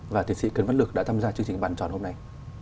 và tiến sĩ cấn văn lực đã tham gia chương trình bàn tròn hôm nay